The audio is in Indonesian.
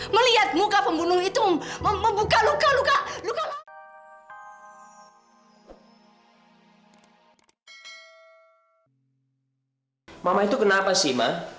melihat muka pembunuh itu membuka luka luka